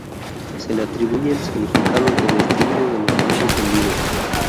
Se le atribuye el significado de ""vestíbulo de los bancos hundidos"".